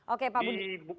oke pak bu